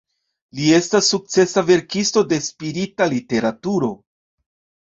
Li estas sukcesa verkisto de spirita literaturo.